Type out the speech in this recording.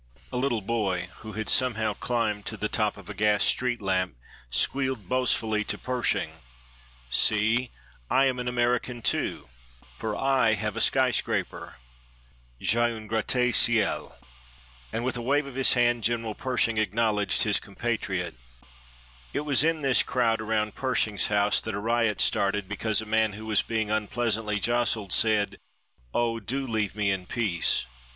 A little boy who had somehow climbed to the top of a gas street lamp squealed boastfully to Pershing: "See, I am an American, too, for I have a sky scraper!" (J'ai un gratte ciel!) And with a wave of his hand General Pershing acknowledged his compatriot. It was in this crowd around Pershing's house that a riot started, because a man who was being unpleasantly jostled said: "Oh, do leave me in peace."